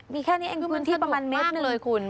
มีแค่นี้เอง๙คืนที่ประมาณเมตรนึง